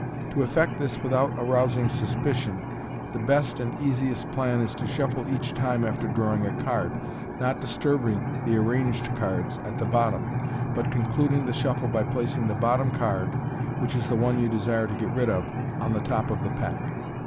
To effect this without arousing suspicion, the best and easiest plan is to shuffle each time after drawing a card, not disturbing the arranged cards at the bottom, but concluding the shuffle by placing the bottom card, which is the one you desire to get rid of, on the top of the pack.